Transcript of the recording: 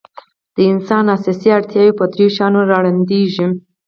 د انسان اساسي اړتیاوې په درېو شیانو رالنډېږي.